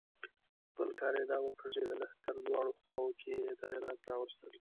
بل کار یې دا وکړ چې د لښکر دواړو خواوو کې یې تغیرات راوستل.